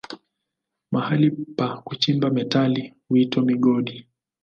Mahali pa kuchimba metali huitwa migodi.